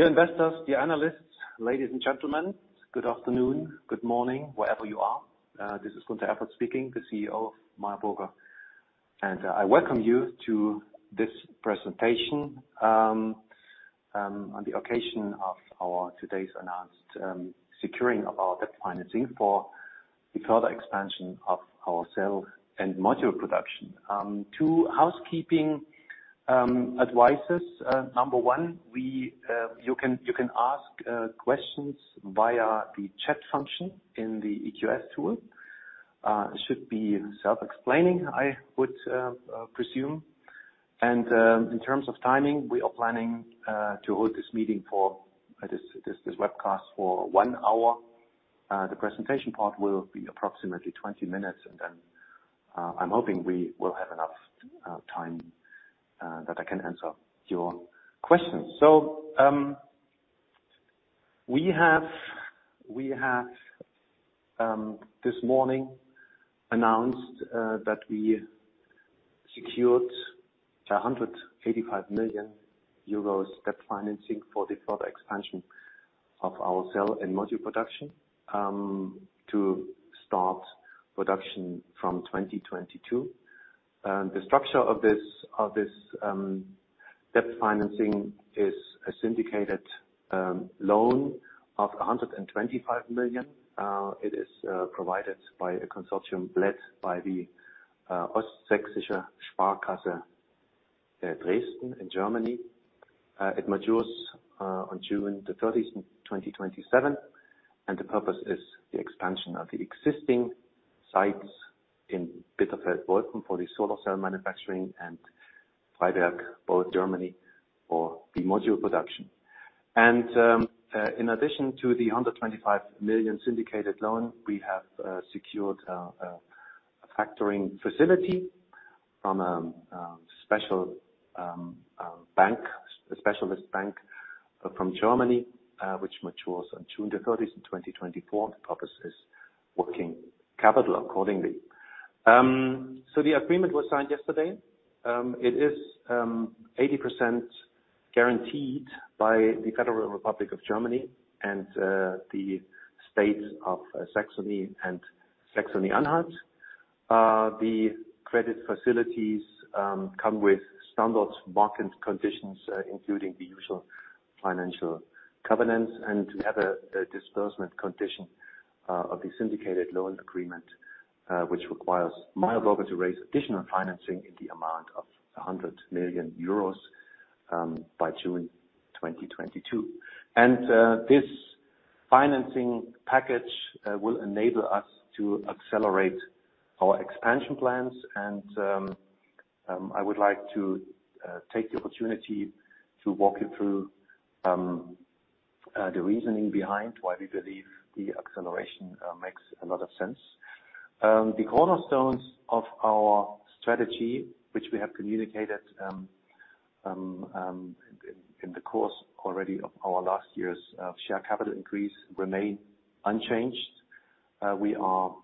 Dear investors, dear analysts, ladies and gentlemen, good afternoon, good morning, wherever you are. This is Gunter Erfurt speaking, the CEO of Meyer Burger. I welcome you to this presentation on the occasion of our today's announced securing of our debt financing for the further expansion of our cell and module production. Two housekeeping advices. Number one, you can ask questions via the chat function in the EQS tool. Should be self-explaining, I would presume. In terms of timing, we are planning to hold this meeting for, this webcast for one hour. The presentation part will be approximately 20 minutes, and then I'm hoping we will have enough time that I can answer your questions. We have this morning announced that we secured a 185 million euros debt financing for the further expansion of our cell and module production, to start production from 2022. The structure of this debt financing is a syndicated loan of 125 million. It is provided by a consortium led by the Ostsächsische Sparkasse Dresden in Germany. It matures on June 30, 2027, and the purpose is the expansion of the existing sites in Bitterfeld-Wolfen for the solar cell manufacturing and Freiberg, both Germany, for the module production. In addition to the 125 million syndicated loan, we have secured a factoring facility from a specialist bank from Germany, which matures on June 30, 2024. Purpose is working capital accordingly. The agreement was signed yesterday. It is 80% guaranteed by the Federal Republic of Germany and the state of Saxony and Saxony-Anhalt. The credit facilities come with standard market conditions, including the usual financial covenants and we have a disbursement condition of the syndicated loan agreement, which requires Meyer Burger to raise additional financing in the amount of 100 million euros, by June 2022. This financing package will enable us to accelerate our expansion plans and, I would like to take the opportunity to walk you through the reasoning behind why we believe the acceleration makes a lot of sense. The cornerstones of our strategy, which we have communicated in the course already of our last year's share capital increase remain unchanged. We are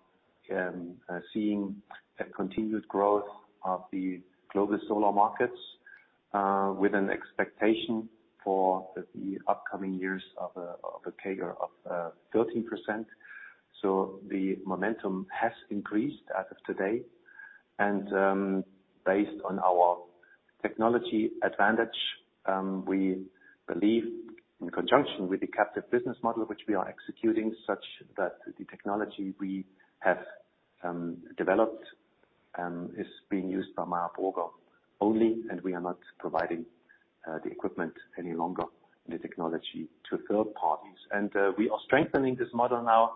seeing a continued growth of the global solar markets, with an expectation for the upcoming years of a CAGR of 13%. The momentum has increased as of today and based on our technology advantage, we believe in conjunction with the captive business model which we are executing such that the technology we have developed is being used by Meyer Burger only, and we are not providing the equipment any longer, the technology to third parties. We are strengthening this model now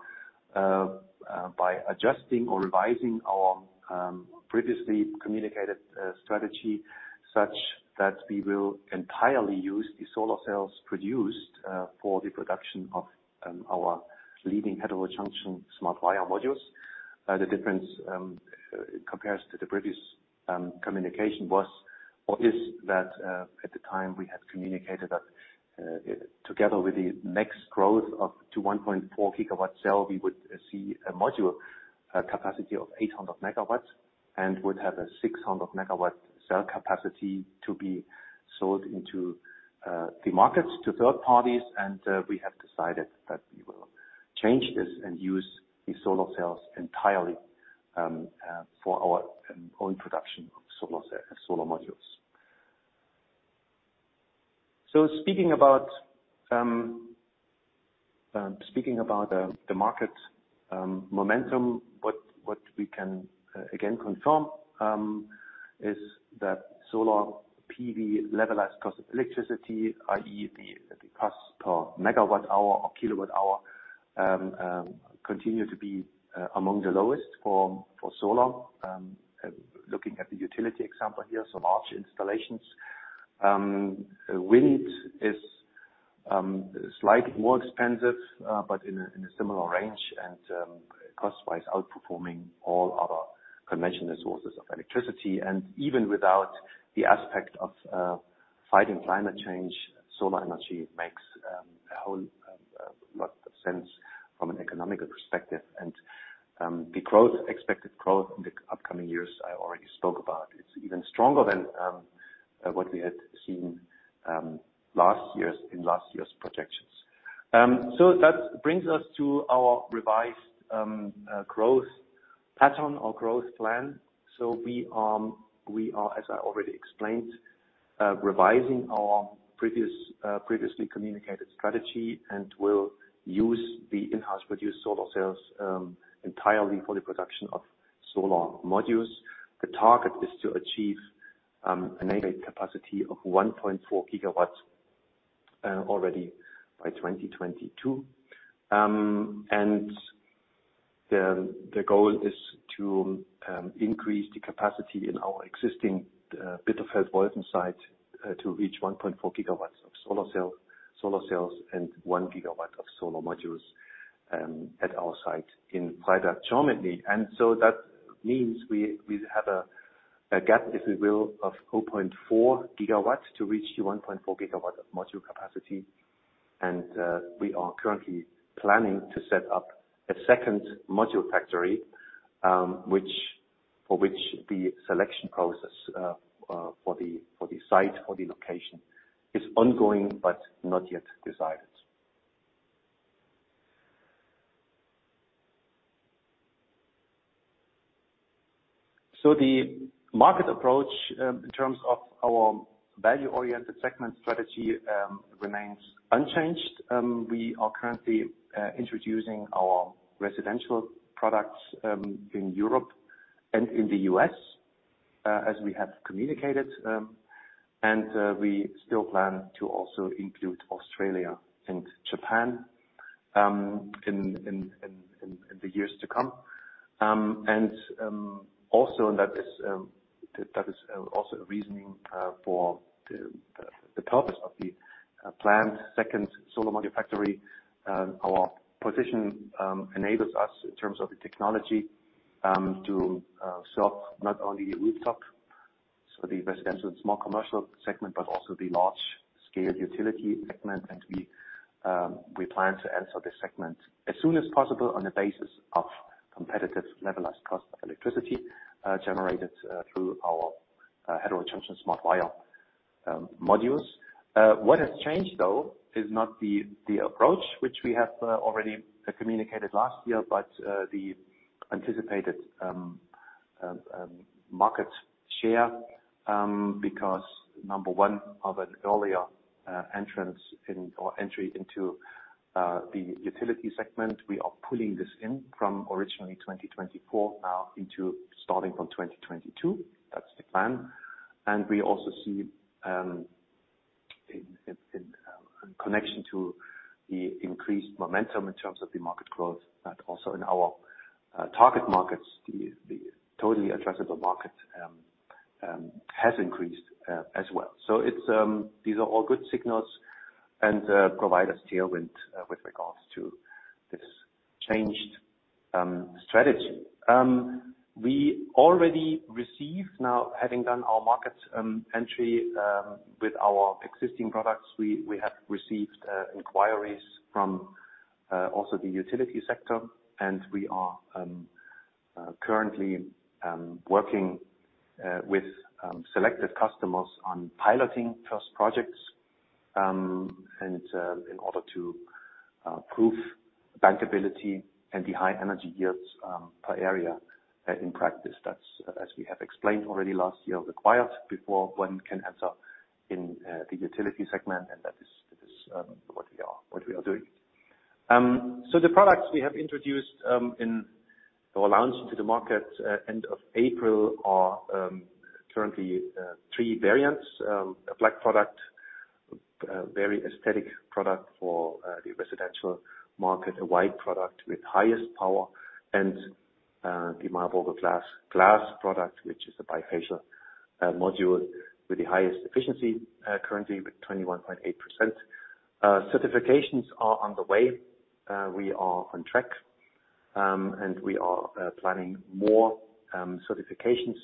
by adjusting or revising our previously communicated strategy, such that we will entirely use the solar cells produced for the production of our leading heterojunction SmartWire modules. The difference compares to the previous communication was or is that at the time we had communicated that together with the next growth of to 1.4 gigawatt cell, we would see a module capacity of 800 MW and would have a 600 MW cell capacity to be sold into the markets to third parties. We have decided that we will change this and use the solar cells entirely for our own production of solar modules. Speaking about the market momentum, what we can again confirm, is that solar PV levelized cost of electricity, i.e., the cost per megawatt hour or kilowatt hour, continue to be among the lowest for solar. Looking at the utility example here, large installations. Wind is slightly more expensive, but in a similar range and cost-wise outperforming all other conventional sources of electricity. Even without the aspect of fighting climate change, solar energy makes a whole economical perspective and the expected growth in the upcoming years I already spoke about. It is even stronger than what we had seen in last year's projections. That brings us to our revised growth pattern or growth plan. We are, as I already explained, revising our previously communicated strategy and will use the in-house produced solar cells entirely for the production of solar modules. The target is to achieve capacity of 1.4 GW already by 2022. The goal is to increase the capacity in our existing Bitterfeld-Wolfen site to reach 1.4 GW of solar cells and 1 GW of solar modules at our site in Freiberg, Germany. That means we have a gap, if you will, of 0.4 GW to reach the 1.4 GW of module capacity. We are currently planning to set up a second module factory, for which the selection process, for the site, for the location is ongoing, but not yet decided. The market approach, in terms of our value-oriented segment strategy, remains unchanged. We are currently introducing our residential products in Europe and in the U.S., as we have communicated. We still plan to also include Australia and Japan in the years to come. That is also a reasoning for the purpose of the planned second solar module factory. Our position enables us, in terms of the technology, to serve not only rooftop, so the residential and small commercial segment, but also the large-scale utility segment. We plan to enter this segment as soon as possible on the basis of competitive levelized cost of electricity, generated through our heterojunction SmartWire modules. What has changed, though, is not the approach, which we have already communicated last year, but the anticipated market share, because number one, of an earlier entrance or entry into the utility segment. We are pulling this in from originally 2024, now into starting from 2022. That's the plan. We also see, in connection to the increased momentum in terms of the market growth, but also in our target markets, the total addressable market has increased as well. These are all good signals and provide us tailwind with regards to this changed strategy. We already received now, having done our market entry, with our existing products, we have received inquiries from also the utility sector, and we are currently working with selected customers on piloting first projects, and in order to prove bankability and the high energy yields per area in practice. That's, as we have explained already last year, required before one can enter in the utility segment, and that is what we are doing. The products we have introduced or launched into the market end of April are currently three variants. A black product, a very aesthetic product for the residential market, a white product with highest power, the marble glass product, which is a bifacial module with the highest efficiency, currently with 21.8%. Certifications are on the way. We are on track. We are planning more certifications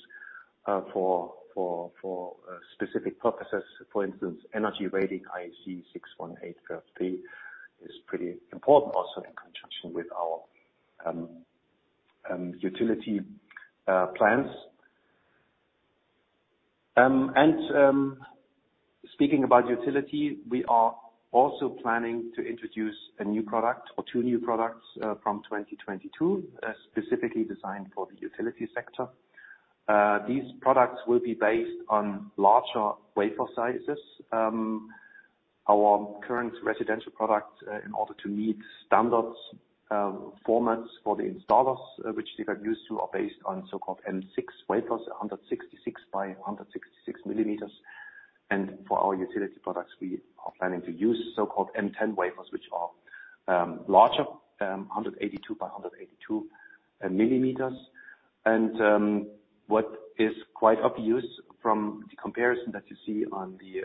for specific purposes. For instance, energy rating IEC 61853 is pretty important also in conjunction with our utility plans. Speaking about utility, we are also planning to introduce a new product or two new products from 2022, specifically designed for the utility sector. These products will be based on larger wafer sizes. Our current residential product, in order to meet standards, formats for the installers, which they are used to, are based on so-called M6 wafers, 166 x 166 mm. For our utility products, we are planning to use so-called M10 wafers, which are larger, 182 x 182 mm. What is quite of use from the comparison that you see on the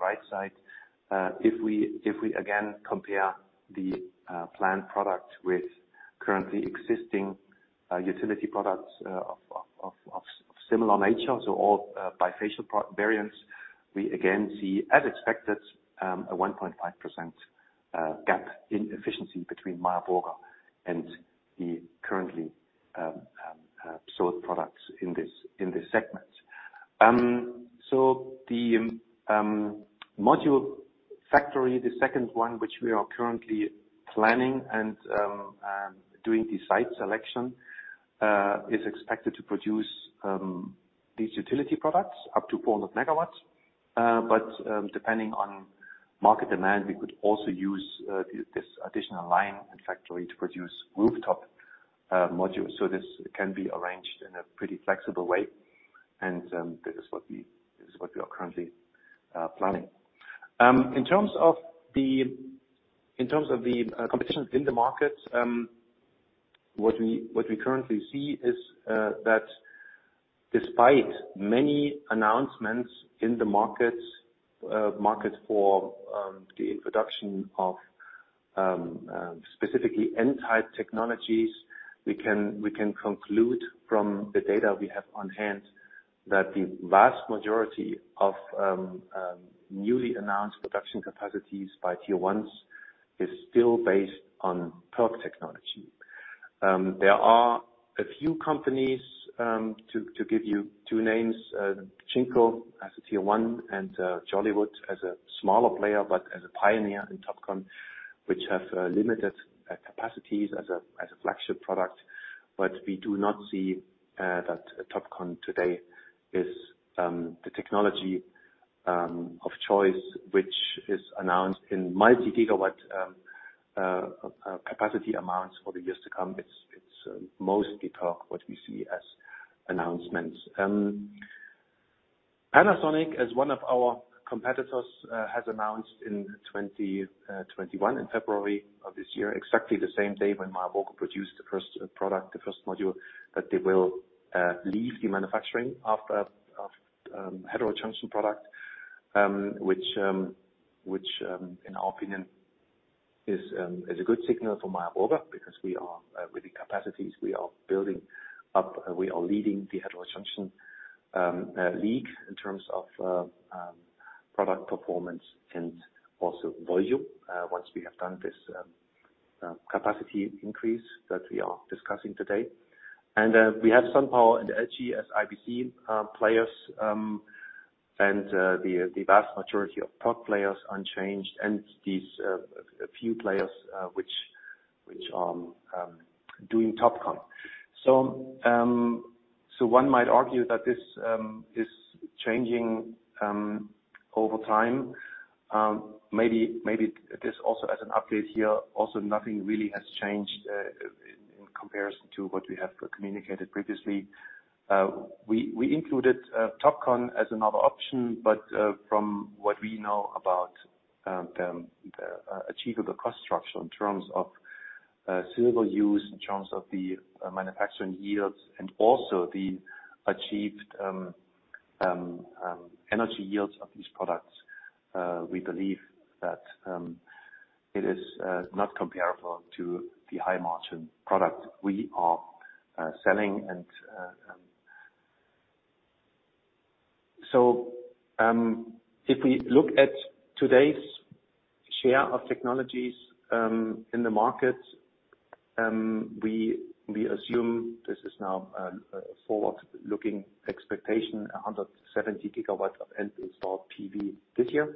right side, if we again compare the planned product with currently existing utility products of similar nature. All bifacial product variants, we again see, as expected, a 1.5% gap in efficiency between Meyer Burger and the currently sold products in this segment. The module factory, the second one, which we are currently planning and doing the site selection, is expected to produce these utility products up to 400 MW. Depending on market demand, we could also use this additional line and factory to produce rooftop modules. This can be arranged in a pretty flexible way, and this is what we are currently planning. In terms of the conditions in the market, what we currently see is that despite many announcements in the market for the introduction of specifically N-type technologies, we can conclude from the data we have on hand that the vast majority of newly announced production capacities by Tier 1s is still based on PERC technology. There are a few companies, to give you two names, Jinko as a Tier 1 and Jolywood as a smaller player, but as a pioneer in TOPCon, which has limited capacities as a flagship product. We do not see that TOPCon today is the technology of choice, which is announced in mighty gigawatt capacity amounts for the years to come. It's mostly PERC what we see as announcements. Panasonic, as one of our competitors, has announced in 2021, in February of this year, exactly the same day when Meyer Burger produced the first product, the first module, that they will leave the manufacturing of heterojunction product, which, in our opinion, is a good signal for Meyer Burger because with the capacities we are building up, we are leading the heterojunction league in terms of product performance and also volume once we have done this capacity increase that we are discussing today. We have SunPower and LG as IBC players, and the vast majority of PERC players unchanged, and these few players which are doing TOPCon. One might argue that this is changing over time. Maybe this also as an update here, also nothing really has changed in comparison to what we have communicated previously. We included TOPCon as another option, from what we know about the achievable cost structure in terms of silicon use, in terms of the manufacturing yields, and also the achieved energy yields of these products, we believe that it is not comparable to the high-margin product we are selling. If we look at today's share of technologies in the market, we assume this is now a forward-looking expectation, 170 GW of end installed PV this year,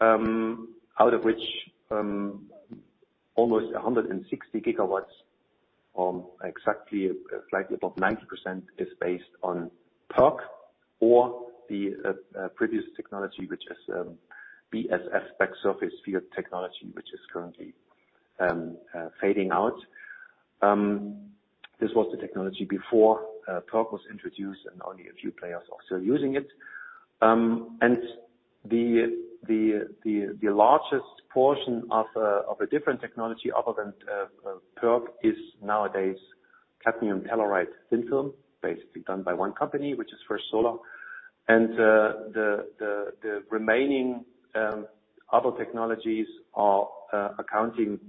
out of which almost 160 GW, or exactly slightly above 90%, is based on PERC or the previous technology, which is BSF, back surface field technology, which is currently fading out. This was the technology before PERC was introduced, only a few players are still using it. The largest portion of a different technology other than PERC is nowadays cadmium telluride thin film, basically done by one company, which is First Solar. The remaining other technologies are accounting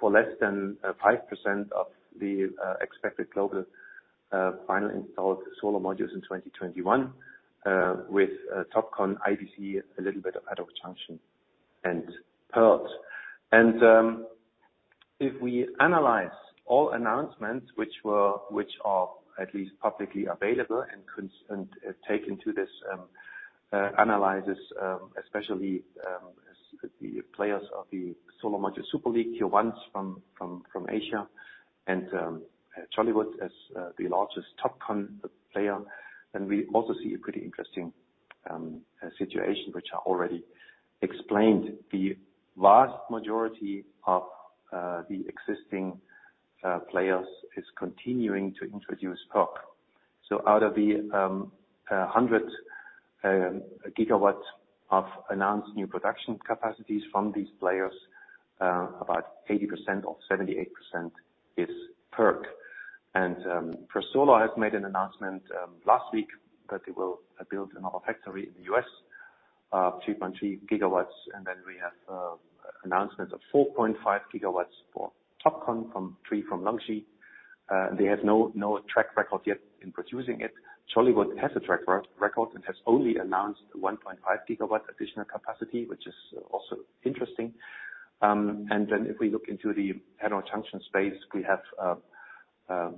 for less than 5% of the expected global final installed solar modules in 2021, with TOPCon, IBC, a little bit of heterojunction, and PERC. If we analyze all announcements which are at least publicly available and take into this analysis, especially the players of the Solar Module Super League, tier ones from Asia and Jolywood as the largest TOPCon player, then we also see a pretty interesting situation which I already explained. The vast majority of the existing players is continuing to introduce PERC. Out of the 100 GW of announced new production capacities from these players, about 80% or 78% is PERC. First Solar has made an announcement last week that they will build another factory in the U.S. 2.3 GW. We have announcement of 4.5 GW for TOPCon from LONGi. They have no track record yet in producing it. Jolywood has a track record and has only announced 1.5 GW additional capacity, which is also interesting. If we look into the heterojunction space, we have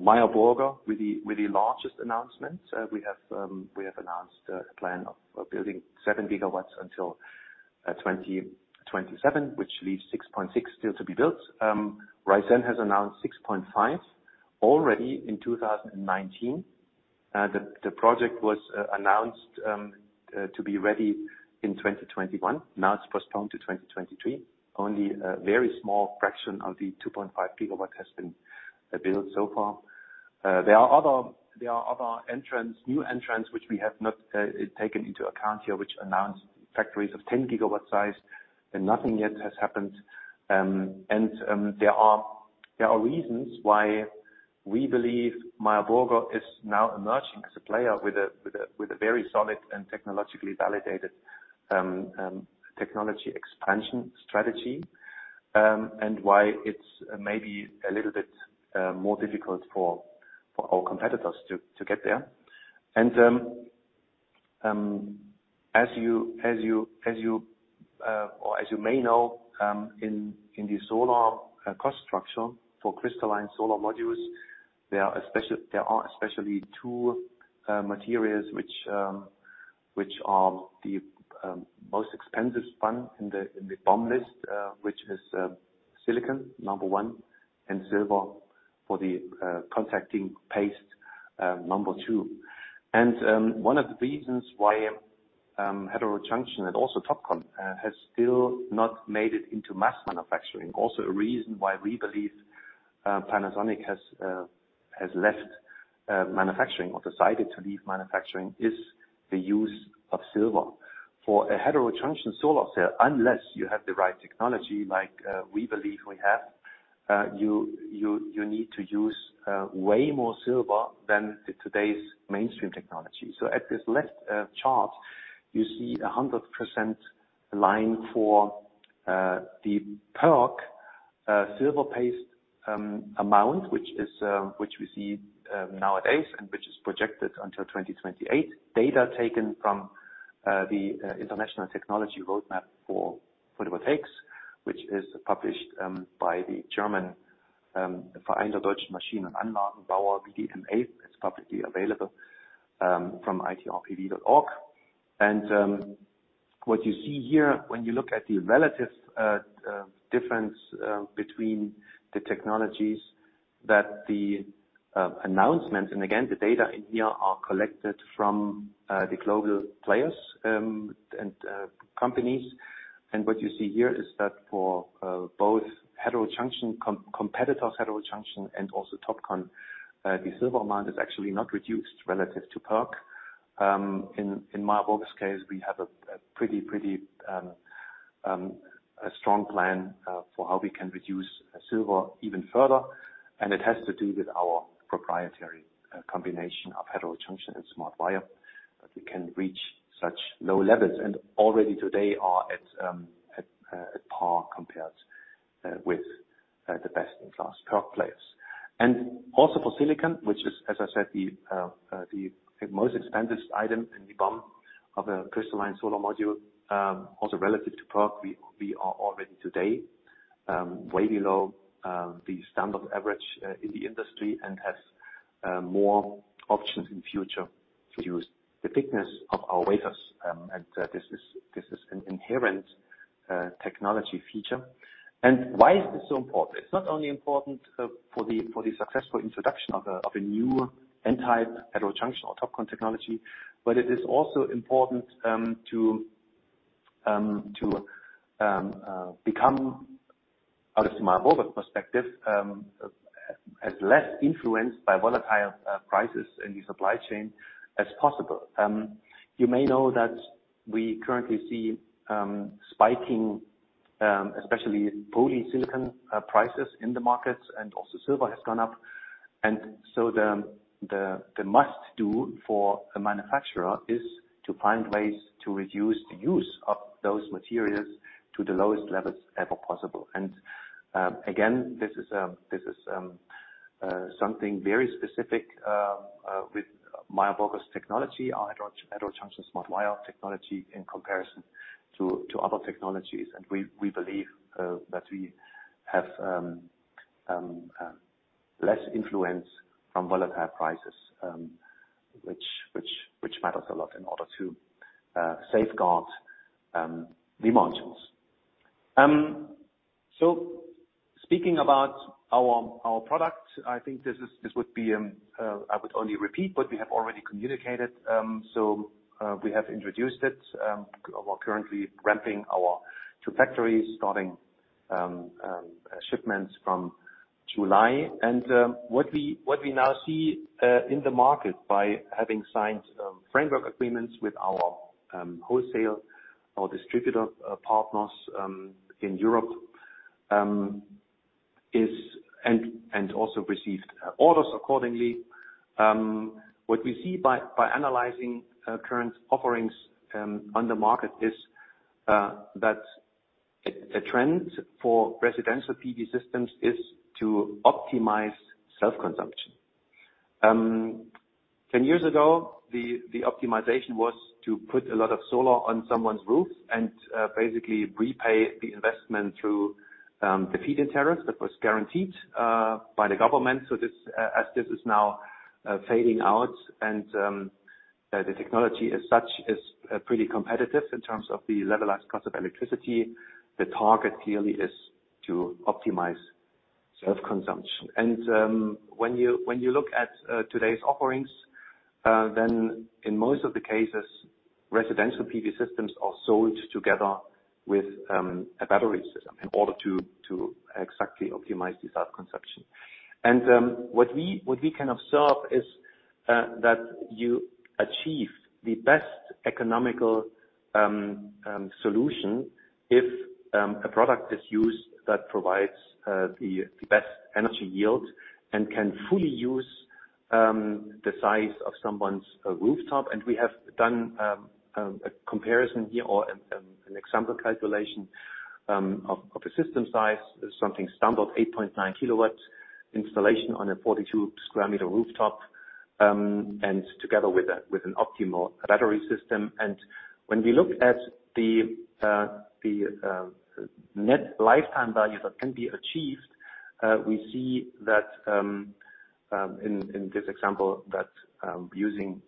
Meyer Burger with the largest announcement. We have announced a plan of building 7 GW until 2027, which leaves 6.6 still to be built. Risen has announced 6.5 already in 2019. The project was announced to be ready in 2021, now it's postponed to 2023. Only a very small fraction of the 2.5 GW has been built so far. There are other entrants, new entrants, which we have not taken into account here, which announced factories of 10 GW size and nothing yet has happened. There are reasons why we believe Meyer Burger is now emerging as a player with a very solid and technologically validated technology expansion strategy, and why it's maybe a little bit more difficult for our competitors to get there. As you may know, in the solar cost structure for crystalline solar modules, there are especially two materials which are the most expensive one in the BOM list, which is silicon, number one, and silver for the contacting paste, number two. One of the reasons why heterojunction and also TOPCon has still not made it into mass manufacturing, also a reason why we believe Panasonic has left manufacturing or decided to leave manufacturing, is the use of silver. For a heterojunction solar cell, unless you have the right technology like we believe we have, you need to use way more silver than today's mainstream technology. At this left chart, you see 100% line for the PERC silver paste amount, which we see nowadays and which is projected until 2028. Data taken from the International Technology Roadmap for Photovoltaics, which is published by the German Verband Deutscher Maschinen- und Anlagenbau, VDMA. It's publicly available from itrpv.org. What you see here when you look at the relative difference between the technologies that the announcements, and again, the data in here are collected from the global players and companies. What you see here is that for both competitor heterojunction and also TOPCon, the silver amount is actually not reduced relative to PERC. In Meyer Burger's case, we have a pretty strong plan for how we can reduce silver even further, and it has to do with our proprietary combination of heterojunction and SmartWire that we can reach such low levels, and already today are at par compared with the best-in-class PERC players. Also for silicon, which is, as I said, the most expensive item in the BOM of a crystalline solar module, also relative to PERC, we are already today way below the standard average in the industry and have more options in future to reduce the thickness of our wafers. This is an inherent technology feature. Why is this so important? It's not only important for the successful introduction of a new N-type heterojunction or TOPCon technology, but it is also important to become, out of Meyer Burger perspective, as less influenced by volatile prices in the supply chain as possible. You may know that we currently see spiking, especially polysilicon prices in the markets and also silver has gone up. The must do for a manufacturer is to find ways to reduce the use of those materials to the lowest levels ever possible. Again, this is something very specific with Meyer Burger's technology, our heterojunction SmartWire technology, in comparison to other technologies. We believe that we have less influence from volatile prices, which matters a lot in order to safeguard the modules. Speaking about our product, I think I would only repeat what we have already communicated. We have introduced it. We're currently ramping our two factories, starting shipments from July. What we now see in the market by having signed framework agreements with our wholesale, our distributor partners in Europe and also received orders accordingly. What we see by analyzing current offerings on the market is that the trend for residential PV systems is to optimize self-consumption. 10 years ago, the optimization was to put a lot of solar on someone's roof and basically repay the investment through the feed-in tariff that was guaranteed by the government. As this is now fading out and the technology as such is pretty competitive in terms of the levelized cost of electricity, the target clearly is to optimize self-consumption. When you look at today's offerings, then in most of the cases, residential PV systems are sold together with a battery system in order to exactly optimize the self-consumption. What we can observe is that you achieve the best economical solution if a product is used that provides the best energy yield and can fully use the size of someone's rooftop. We have done a comparison here or an example calculation of a system size, something standard, 8.9 kW installation on a 42 sq m rooftop, and together with an optimal battery system. When we look at the net lifetime value that can be achieved, we see that, in this example, that using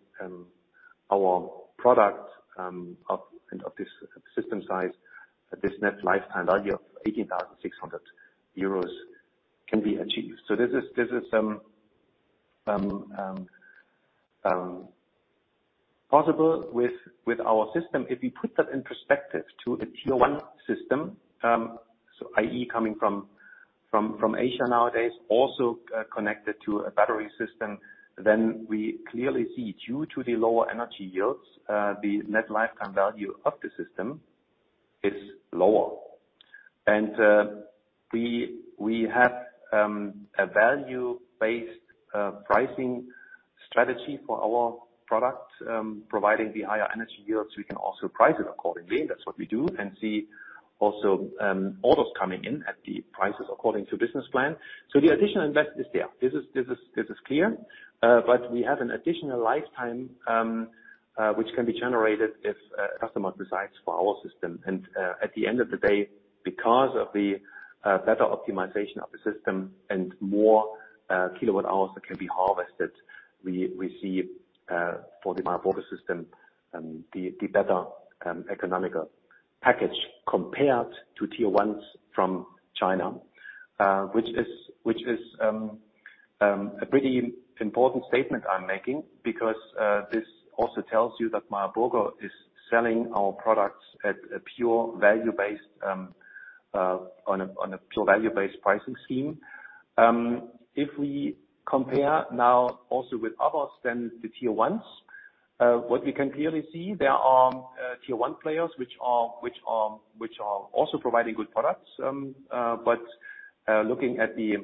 our product and of this system size, this net lifetime value of 18,600 euros can be achieved. This is possible with our system. We put that in perspective to a Tier 1 system, i.e., coming from Asia nowadays, also connected to a battery system, we clearly see due to the lower energy yields, the net lifetime value of the system is lower. We have a value-based pricing strategy for our product, providing the higher energy yields, we can also price it accordingly. That's what we do and see also orders coming in at the prices according to business plan. The additional investment is there. This is clear. We have an additional lifetime which can be generated if a customer decides for our system. At the end of the day, because of the better optimization of the system and more kilowatt hours that can be harvested, we see for the Meyer Burger system, the better economical package compared to Tier 1s from China, which is a pretty important statement I'm making because this also tells you that Meyer Burger is selling our products on a pure value-based pricing scheme. If we compare now also with others than the Tier 1s, what we can clearly see, there are Tier 1 players which are also providing good products. Looking at the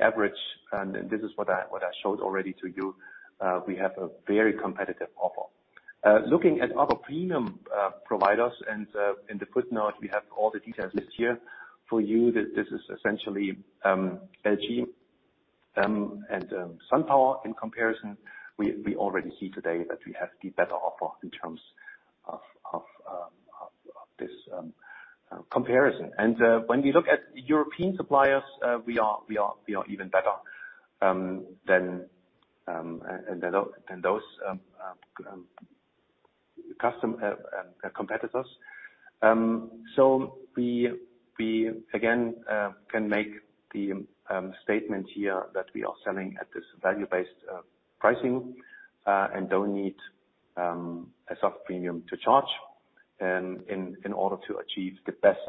average, and this is what I showed already to you, we have a very competitive offer. Looking at other premium providers, in the footnote, we have all the details listed here for you. This is essentially LG and SunPower in comparison. We already see today that we have the better offer in terms of this comparison. When we look at European suppliers, we are even better than those competitors. We again can make the statement here that we are selling at this value-based pricing, and don't need a soft premium to charge in order to achieve the best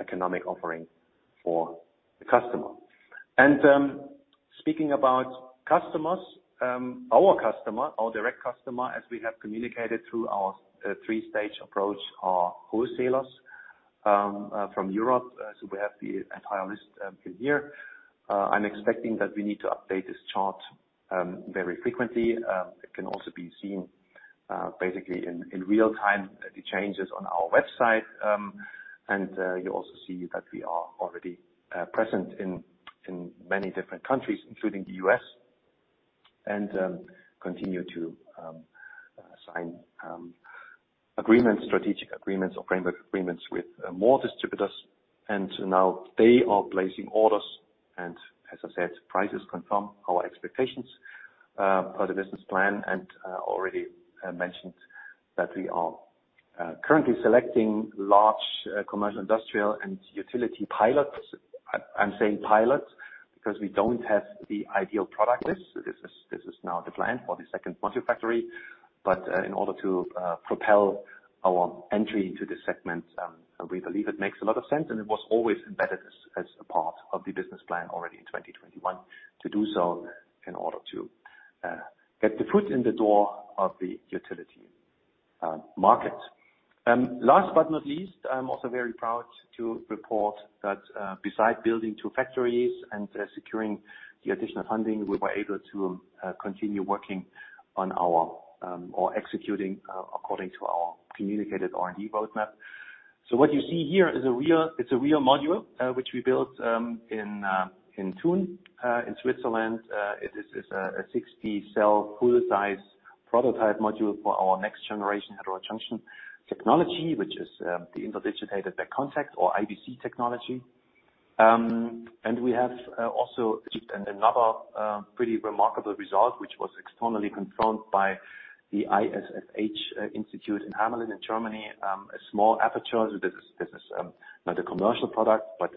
economic offering for the customer. Speaking about customers, our direct customer, as we have communicated through our three-stage approach, are wholesalers from Europe. We have the entire list in here. I'm expecting that we need to update this chart very frequently. It can also be seen basically in real time, the changes on our website. You also see that we are already present in many different countries, including the U.S., and continue to sign strategic agreements or framework agreements with more distributors. Now they are placing orders and as I said, prices confirm our expectations per the business plan and already mentioned that we are currently selecting large commercial, industrial, and utility pilots. I'm saying pilots because we don't have the ideal product. This is now the plan for the second module factory. In order to propel our entry into this segment, we believe it makes a lot of sense, and it was always embedded as a part of the business plan already in 2021 to do so in order to get the foot in the door of the utility market. Last but not least, I'm also very proud to report that besides building two factories and securing the additional funding, we were able to continue working on our, or executing according to our communicated R&D roadmap. What you see here is a real module, which we built in Thun, in Switzerland. It is a 60-cell full-size prototype module for our next generation heterojunction technology, which is the Interdigitated Back Contact, or IBC technology. We have also achieved another pretty remarkable result, which was externally confirmed by the ISFH Institute in Hamelin in Germany, a small aperture. This is not a commercial product, but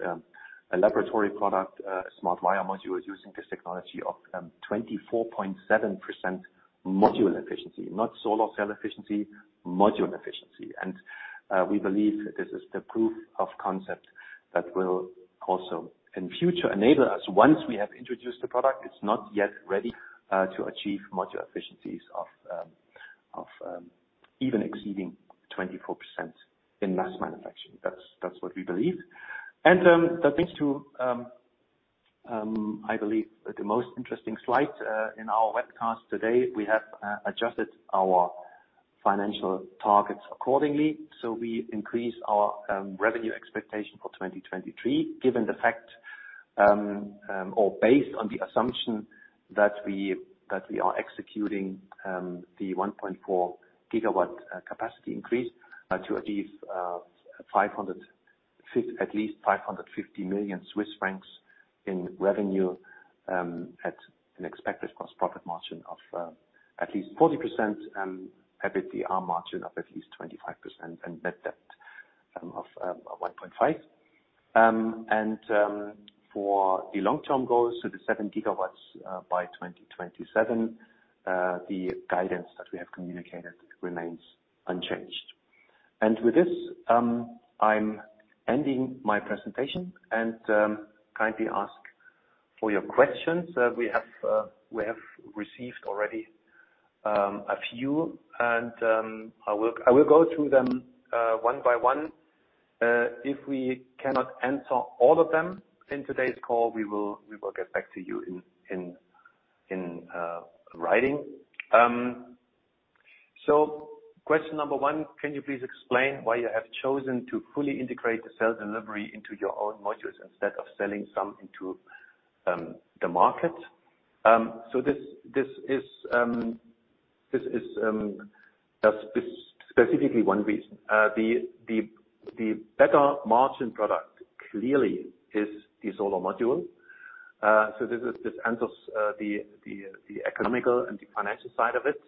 a laboratory product, a SmartWire module using this technology of 24.7% module efficiency, not solar cell efficiency, module efficiency. We believe this is the proof of concept that will also in future enable us, once we have introduced the product, it's not yet ready to achieve module efficiencies of even exceeding 24% in mass manufacturing. That's what we believe. Thanks to, I believe, the most interesting slide in our webcast today, we have adjusted our financial targets accordingly. We increased our revenue expectation for 2023, given the fact or based on the assumption that we are executing the 1.4 GW capacity increase to achieve at least 550 million Swiss francs in revenue at an expected gross profit margin of at least 40% and EBITDA margin of at least 25% and net debt of 1.5. For the long-term goals, the 7 GW by 2027, the guidance that we have communicated remains unchanged. With this, I'm ending my presentation and kindly ask for your questions. We have received already a few, and I will go through them one by one. If we cannot answer all of them in today's call, we will get back to you in writing. Question number one: Can you please explain why you have chosen to fully integrate the cell delivery into your own modules instead of selling some into the market? The better margin product clearly is the solar module. This answers the economical and the financial side of it.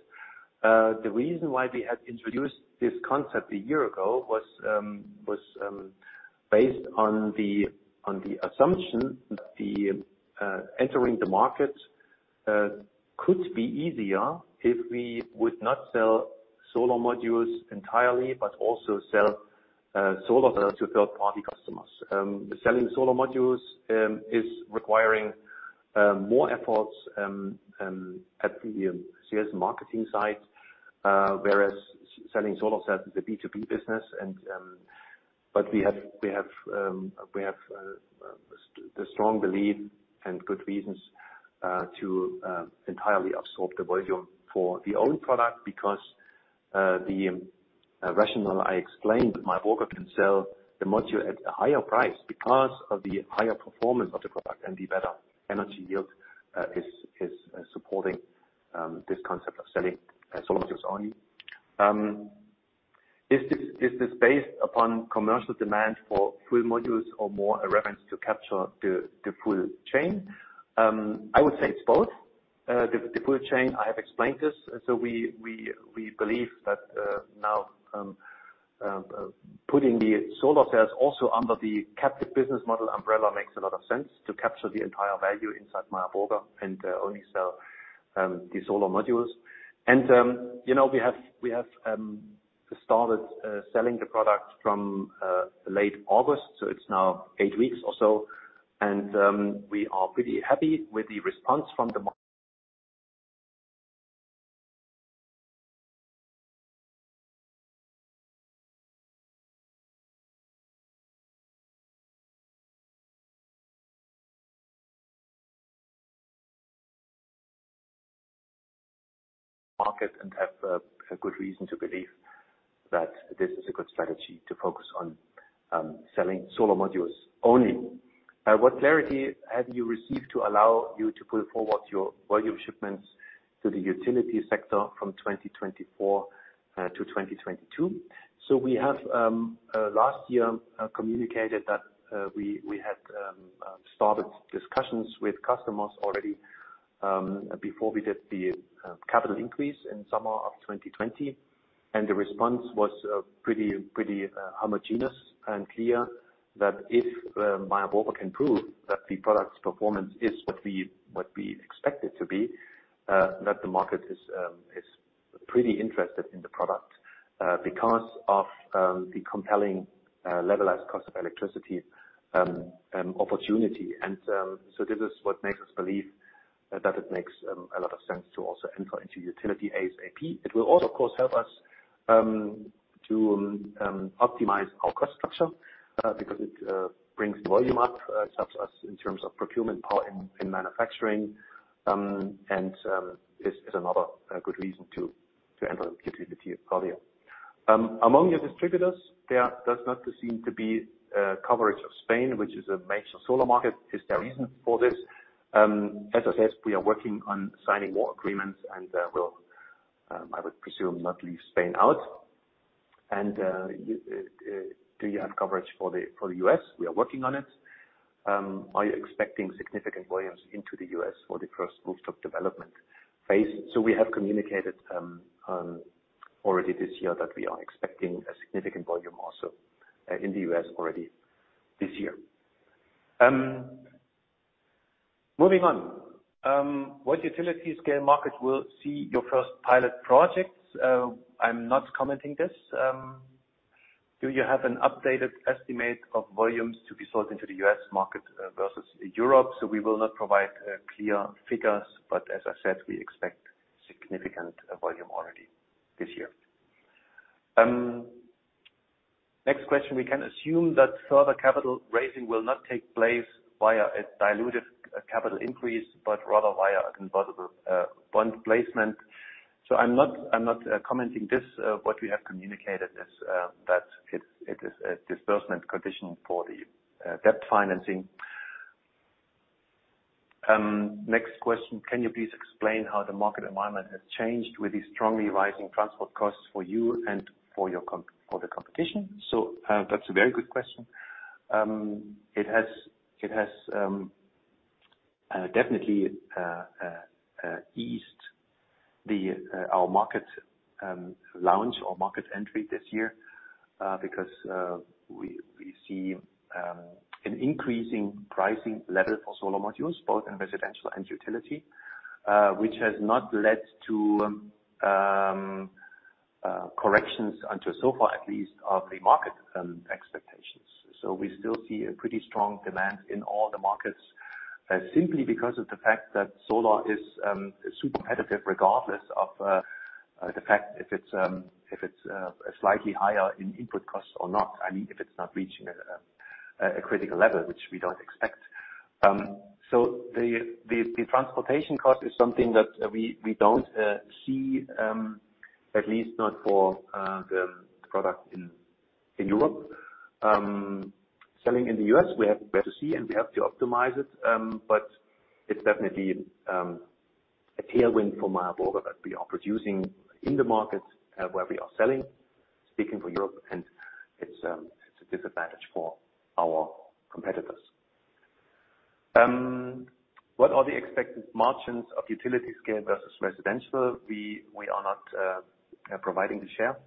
The reason why we had introduced this concept a year ago was based on the assumption that entering the market could be easier if we would not sell solar modules entirely, but also sell solar cells to third-party customers. Selling solar modules is requiring more efforts at the sales marketing side, whereas selling solar cells is a B2B business. We have the strong belief and good reasons to entirely absorb the volume for the own product, because the rationale I explained, Meyer Burger can sell the module at a higher price because of the higher performance of the product, and the better energy yield is supporting this concept of selling solar cells only. Is this based upon commercial demand for full modules or more a reference to capture the full chain? I would say it's both. The full chain, I have explained this. We believe that now putting the solar cells also under the captive business model umbrella makes a lot of sense to capture the entire value inside Meyer Burger and only sell the solar modules. We have started selling the product from late August, so it's now eight weeks or so, and we are pretty happy with the response from the market and have a good reason to believe that this is a good strategy to focus on selling solar modules only. What clarity have you received to allow you to pull forward your volume shipments to the utility sector from 2024-2022? We have last year communicated that we had started discussions with customers already before we did the capital increase in summer of 2020. The response was pretty homogeneous and clear that if Meyer Burger can prove that the product's performance is what we expect it to be, that the market is pretty interested in the product because of the compelling levelized cost of electricity opportunity. This is what makes us believe that it makes a lot of sense to also enter into utility ASAP. It will also, of course, help us to optimize our cost structure because it brings volume up. It helps us in terms of procurement power in manufacturing, and is another good reason to enter the utility area. Among your distributors, there does not seem to be coverage of Spain, which is a major solar market. Is there a reason for this? As I said, we are working on signing more agreements and will, I would presume, not leave Spain out. Do you have coverage for the U.S.? We are working on it. Are you expecting significant volumes into the U.S. for the first rooftop development phase? We have communicated already this year that we are expecting a significant volume also in the U.S. already this year. Moving on. What utility scale market will see your first pilot projects? I'm not commenting this. Do you have an updated estimate of volumes to be sold into the U.S. market versus Europe? We will not provide clear figures, but as I said, we expect significant volume already this year. Next question. We can assume that further capital raising will not take place via a diluted capital increase, but rather via a convertible bond placement. I'm not commenting this. What we have communicated is that it is a disbursement condition for the debt financing. Next question, can you please explain how the market environment has changed with the strongly rising transport costs for you and for the competition? That's a very good question. It has definitely eased our market launch or market entry this year, because we see an increasing pricing level for solar modules, both in residential and utility, which has not led to corrections until so far, at least, of the market expectations. We still see a pretty strong demand in all the markets, simply because of the fact that solar is super competitive, regardless of the fact if it's slightly higher in input costs or not, if it's not reaching a critical level, which we don't expect. The transportation cost is something that we don't see, at least not for the product in Europe. Selling in the U.S., we have to see and we have to optimize it. It's definitely a tailwind for Meyer Burger that we are producing in the markets where we are selling, speaking for Europe, and it's a disadvantage for our competitors. What are the expected margins of utility scale versus residential? We are not providing the share.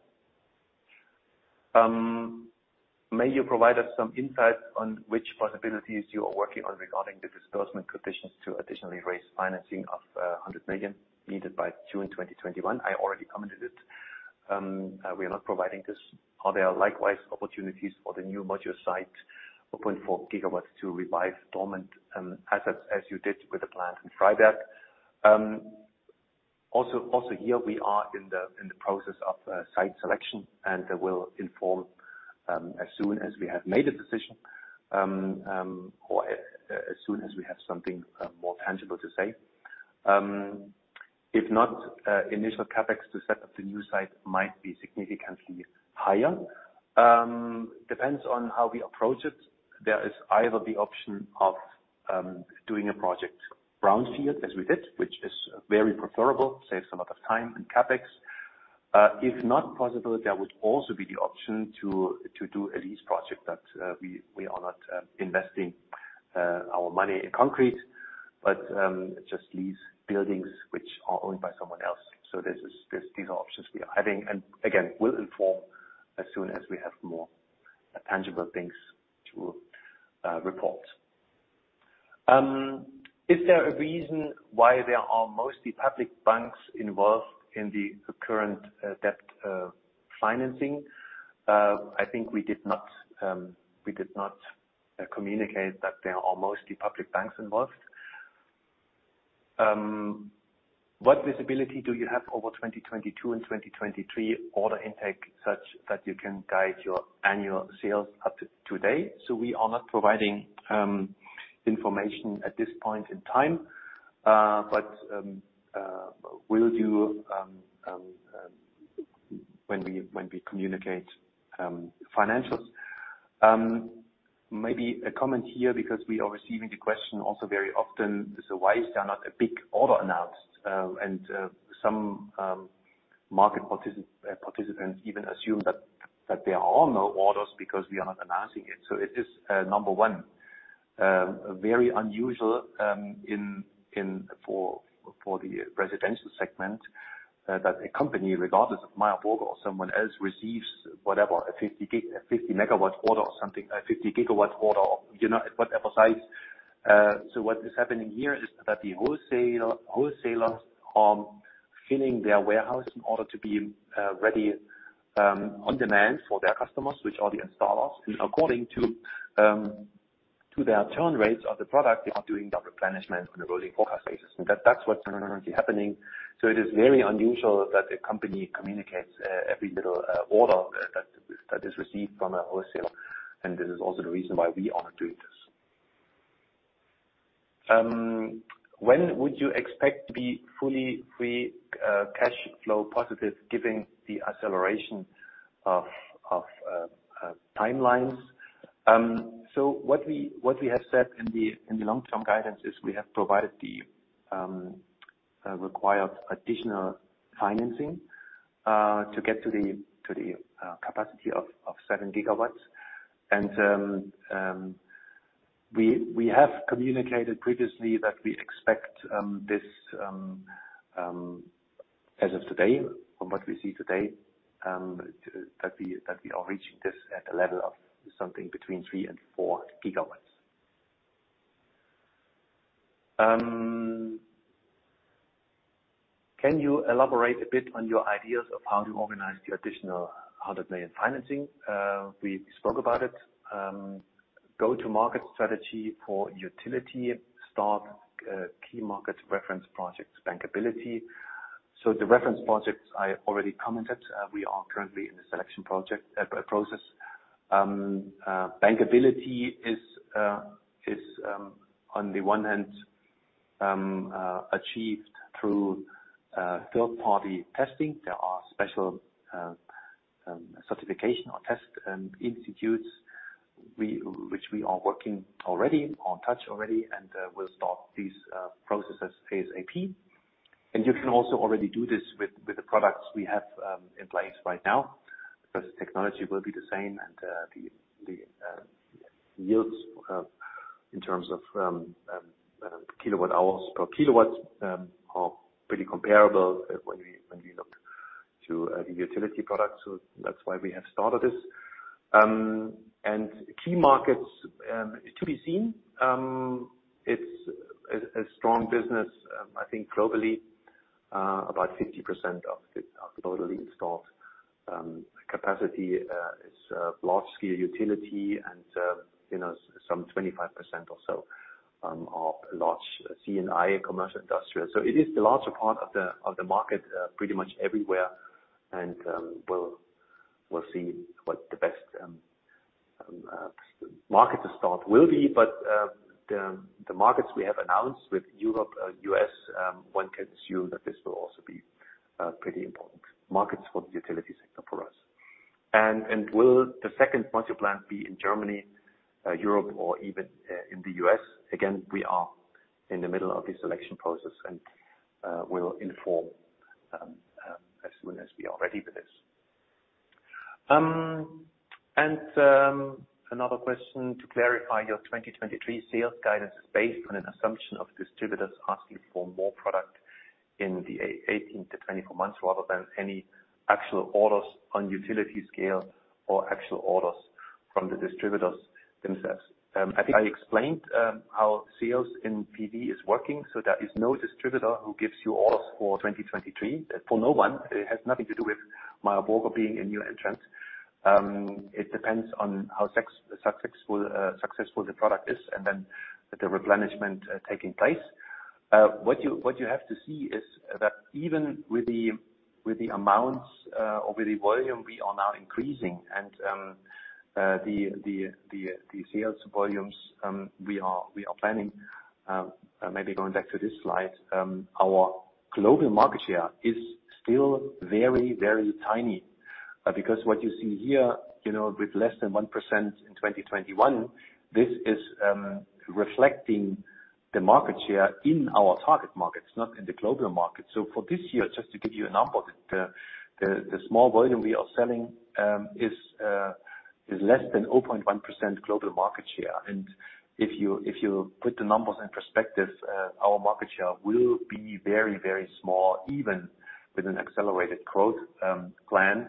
May you provide us some insight on which possibilities you are working on regarding the disbursement conditions to additionally raise financing of 100 million needed by June 2021? I already commented it. We are not providing this. Are there likewise opportunities for the new module site, 0.4 GW to revive dormant assets as you did with the plant in Freiberg? Here we are in the process of site selection, and will inform as soon as we have made a decision, or as soon as we have something more tangible to say. If not, initial CapEx to set up the new site might be significantly higher. Depends on how we approach it. There is either the option of doing a project brownfield as we did, which is very preferable, saves a lot of time and CapEx. If not possible, there would also be the option to do a lease project that we are not investing our money in concrete, but just lease buildings which are owned by someone else. These are options we are having. Again, we'll inform as soon as we have more tangible things to report. Is there a reason why there are mostly public banks involved in the current debt financing? I think we did not communicate that there are mostly public banks involved. What visibility do you have over 2022 and 2023 order intake such that you can guide your annual sales up to today? We are not providing information at this point in time. Will do when we communicate financials. Maybe a comment here, because we are receiving the question also very often. Why is there not a big order announced? Some market participants even assume that there are no orders because we are not announcing it. It is, number one, very unusual for the residential segment that a company, regardless of Meyer Burger or someone else, receives, whatever, a 50 MW order or something, a 50 GW order or whatever size. What is happening here is that the wholesalers are filling their warehouse in order to be ready on demand for their customers, which are the installers. According to their turn rates of the product, they are doing the replenishment on a rolling forecast basis. That's what's currently happening. It is very unusual that a company communicates every little order that is received from a wholesale, and this is also the reason why we are not doing this. When would you expect to be fully free cash flow positive given the acceleration of timelines? What we have said in the long-term guidance is we have provided the required additional financing to get to the capacity of 7 GW. We have communicated previously that we expect this, from what we see today, that we are reaching this at a level of something between 3 GW and 4 GW. Can you elaborate a bit on your ideas of how to organize the additional 100 million financing? We spoke about it. Go-to-market strategy for utility, start key market reference projects bankability. The reference projects I already commented. We are currently in the selection process. Bankability is, on the one hand, achieved through third-party testing. There are special certification or test institutes which we are working already, or in touch already, and we'll start these processes ASAP. You can also already do this with the products we have in place right now, because the technology will be the same and the yields in terms of kilowatt hours per kilowatts are pretty comparable when we looked to the utility products. That's why we have started this. Key markets to be seen. It's a strong business, I think globally, about 50% of the totally installed capacity is large-scale utility and some 25% or so are large C&I commercial industrial. It is the larger part of the market pretty much everywhere and we'll see what the best market to start will be. The markets we have announced with Europe, U.S., one can assume that this will also be pretty important markets for the utility sector for us. Will the second module plant be in Germany, Europe or even in the U.S.? Again, we are in the middle of the selection process and we'll inform as soon as we are ready with this. Another question, to clarify your 2023 sales guidance is based on an assumption of distributors asking for more product in the 18-24 months rather than any actual orders on utility scale or actual orders from the distributors themselves. I think I explained how sales in PV is working. There is no distributor who gives you orders for 2023. For no one. It has nothing to do with Meyer Burger being a new entrant. It depends on how successful the product is and then the replenishment taking place. What you have to see is that even with the amounts or with the volume we are now increasing and the sales volumes we are planning, maybe going back to this slide, our global market share is still very tiny. Because what you see here, with less than 1% in 2021, this is reflecting the market share in our target markets, not in the global market. For this year, just to give you a number, the small volume we are selling is less than 0.1% global market share. If you put the numbers in perspective, our market share will be very small, even with an accelerated growth plan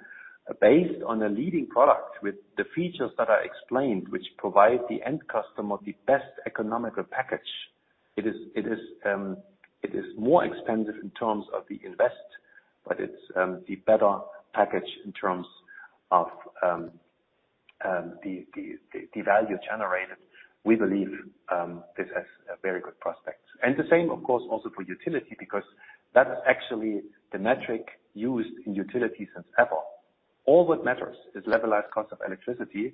based on a leading product with the features that I explained, which provide the end customer the best economical package. It is more expensive in terms of the investment, but it's the better package in terms of the value generated. We believe this has a very good prospect. The same, of course, also for utility, because that is actually the metric used in utility since ever. All that matters is levelized cost of electricity.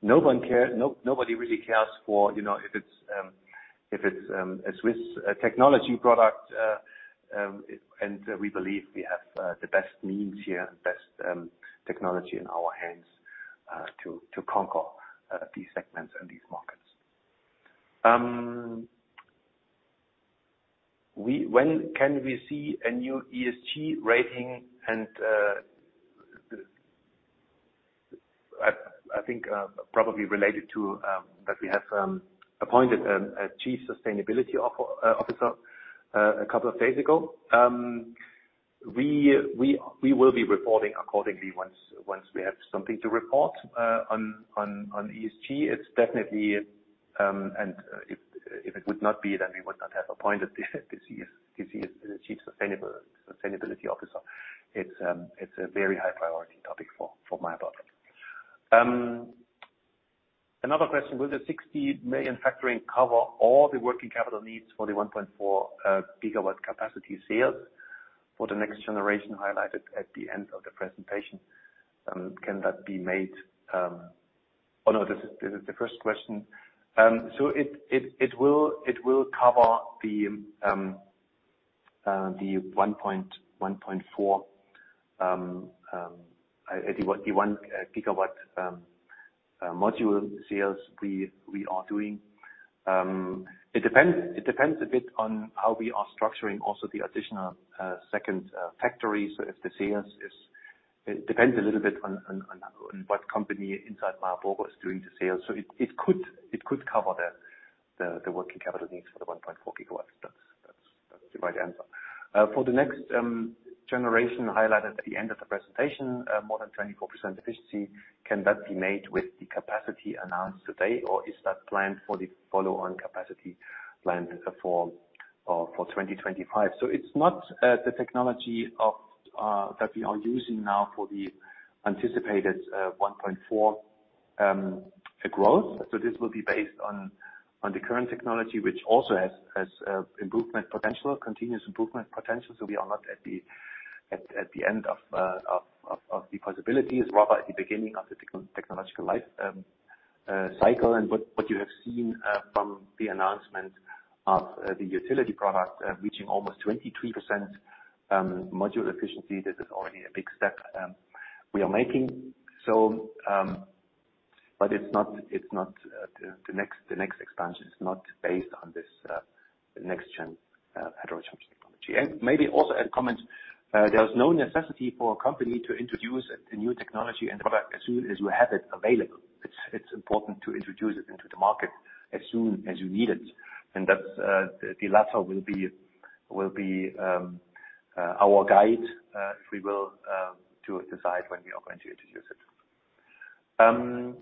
Nobody really cares for if it's a Swiss technology product. We believe we have the best means here and best technology in our hands to conquer these segments and these markets. When can we see a new ESG rating? I think probably related to that, we have appointed a chief sustainability officer a couple of days ago. We will be reporting accordingly once we have something to report on ESG. If it would not be, then we would not have appointed the chief sustainability officer. It's a very high priority topic for Meyer Burger. Will the 60 million factoring cover all the working capital needs for the 1.4 GW capacity sales for the next generation highlighted at the end of the presentation? It will cover the 1.4 GW, the 1 GW module sales we are doing. It depends a bit on how we are structuring also the additional second factory. It depends a little bit on what company inside Meyer Burger is doing the sale. It could cover the working capital needs for the 1.4 GW. That's the right answer. For the next generation highlighted at the end of the presentation, more than 24% efficiency, can that be made with the capacity announced today, or is that planned for the follow-on capacity planned for 2025? It's not the technology that we are using now for the anticipated 1.4 growth. This will be based on the current technology, which also has continuous improvement potential, so we are not at the end of the possibilities, rather at the beginning of the technological life cycle. What you have seen from the announcement of the utility product, reaching almost 23% module efficiency, this is already a big step we are making. The next expansion is not based on this next-gen heterojunction technology. Maybe also add a comment, there's no necessity for a company to introduce a new technology and product as soon as you have it available. It's important to introduce it into the market as soon as you need it. The latter will be our guide, if we will, to decide when we are going to introduce it.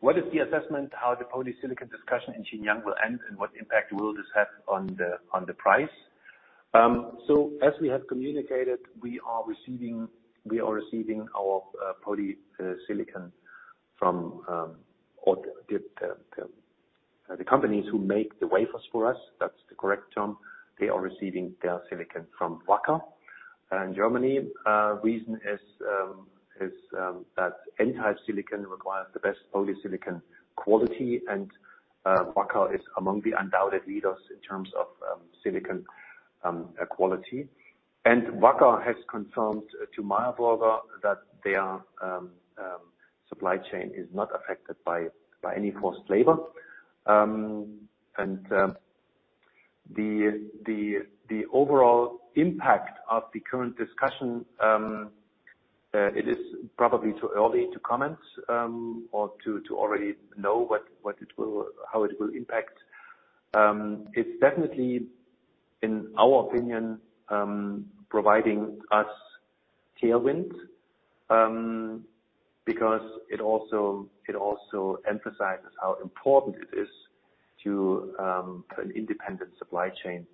What is the assessment how the polysilicon discussion in Xinjiang will end, and what impact will this have on the price? As we have communicated, we are receiving our polysilicon from the companies who make the wafers for us. That's the correct term. They are receiving their silicon from Wacker in Germany. Reason is that N-type silicon requires the best polysilicon quality, and Wacker is among the undoubted leaders in terms of silicon quality. Wacker has confirmed to Meyer Burger that their supply chain is not affected by any forced labor. The overall impact of the current discussion, it is probably too early to comment, or to already know how it will impact. It's definitely, in our opinion, providing us tailwinds, because it also emphasizes how important it is to an independent supply chain,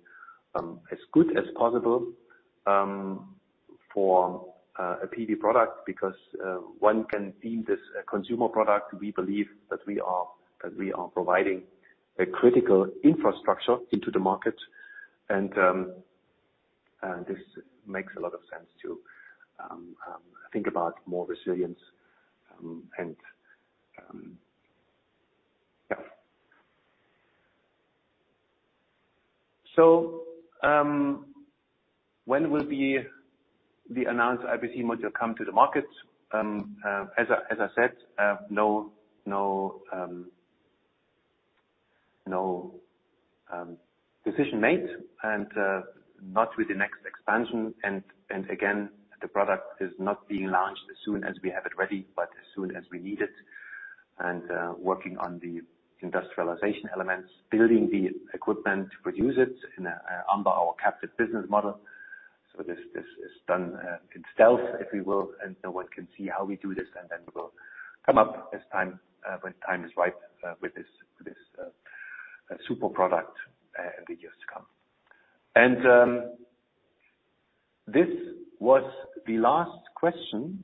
as good as possible for a PV product, because one can deem this a consumer product. We believe that we are providing a critical infrastructure into the market, and this makes a lot of sense to think about more resilience. When will the announced IBC module come to the market? As I said, no decision made, not with the next expansion. Again, the product is not being launched as soon as we have it ready, but as soon as we need it. Working on the industrialization elements, building the equipment to produce it under our captive business model. This is done in stealth, if you will. No one can see how we do this. We will come up when time is right with this super product in the years to come. This was the last question.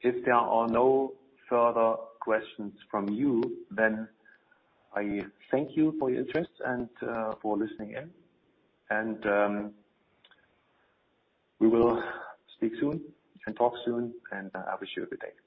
If there are no further questions from you, I thank you for your interest and for listening in. We will speak soon and talk soon and have a superb day. Thank you.